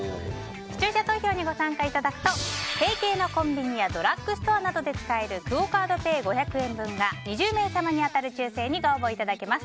視聴者投票にご参加いただくと提携のコンビニやドラッグストアなどで使えるクオ・カードペイ５００円分が２０名様に当たる抽選にご応募いただけます。